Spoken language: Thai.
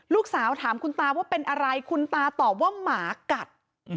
ลูกสาวถามคุณตาว่าเป็นอะไรคุณตาตอบว่าหมากัด